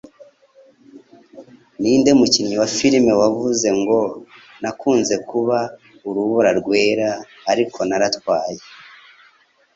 Ninde mukinnyi wa filime wavuze ngo "Nakunze kuba Urubura rwera ariko naratwaye"?